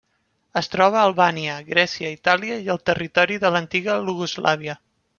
Es troba a Albània, Grècia, Itàlia i al territori de l'antiga Iugoslàvia.